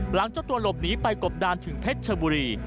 เจ้าตัวหลบหนีไปกบดานถึงเพชรชบุรี